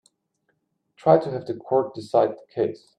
Try to have the court decide the case.